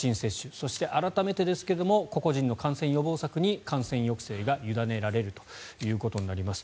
そして、改めてですが個々人の感染予防策に感染抑制が委ねられるということになります。